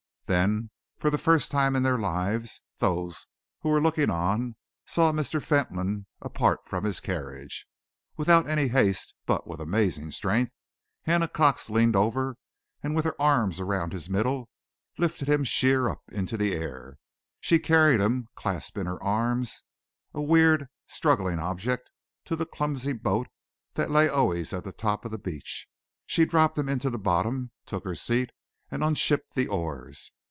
Then, for the first time in their lives, those who were looking on saw Mr. Fentolin apart from his carriage. Without any haste but with amazing strength, Hannah Cox leaned over, and, with her arms around his middle, lifted him sheer up into the air. She carried him, clasped in her arms, a weird, struggling object, to the clumsy boat that lay always at the top of the beach. She dropped him into the bottom, took her seat, and unshipped the oars.